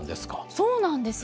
そうなんですよ。